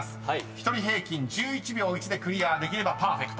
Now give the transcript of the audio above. ［１人平均１１秒１でクリアできればパーフェクト］